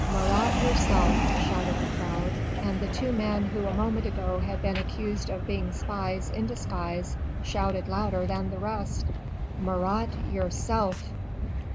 "Marat yourself!" shouted the crowd, and the two men who a moment ago had been accused of being spies in disguise shouted louder than the rest: "Marat yourself!"